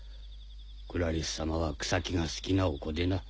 クラリスさまは草木が好きなお子でな。